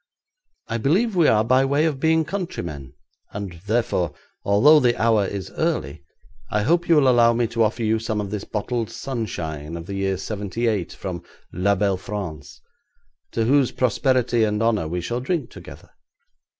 'I believe we are by way of being countrymen, and, therefore, although the hour is early, I hope you will allow me to offer you some of this bottled sunshine of the year '78 from la belle France, to whose prosperity and honour we shall drink together.